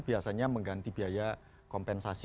biasanya mengganti biaya kompensasi